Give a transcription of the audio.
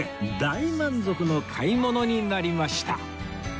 大満足の買い物になりました